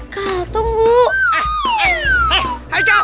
ka tunggu ka